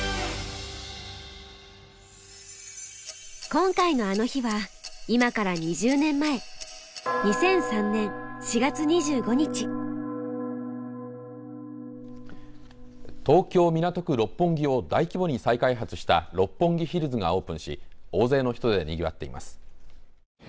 今回の「あの日」は今から２０年前東京・港区六本木を大規模に再開発した六本木ヒルズがオープンし大勢の人でにぎわっています。